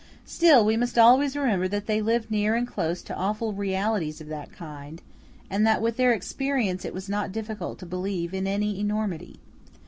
Still, we must always remember that they lived near and close to awful realities of that kind, and that with their experience it was not difficult to believe in any enormity.